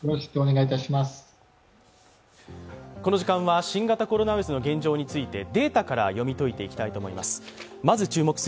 この時間は新型コロナウイルスの現状についてデータから読み解いていきたいと思います。